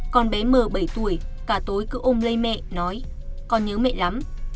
còn bé m bảy tuổi cả tối cứ ôm lấy mẹ nói con nhớ mẹ lắm